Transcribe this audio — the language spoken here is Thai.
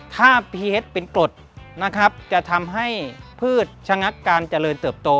ถ้าพิเศษเป็นกรดจะทำให้พืชชะงักการเจริญเติบโต